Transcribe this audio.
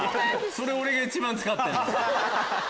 それ俺が一番使ってんの？